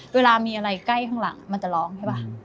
เวลามีอะไรใกล้ข้างหลังมันจะร้องใช่ป่ะ